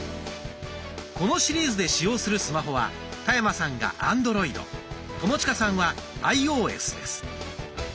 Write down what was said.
このシリーズで使用するスマホは田山さんがアンドロイド友近さんはアイオーエスです。